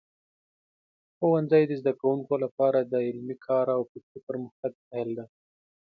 ښوونځی د زده کوونکو لپاره د علمي کار او فکري پرمختګ پیل دی.